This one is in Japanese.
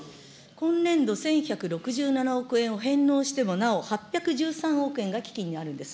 今年度、１１６７億円を返納してもなお、８１３億円が基金にあるんです。